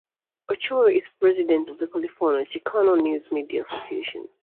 Ochoa is president of the California Chicano News Media Association.